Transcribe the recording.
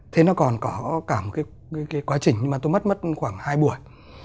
thế nó còn có cả một cái quá trình mà tôi mất mất khoảng hai buổi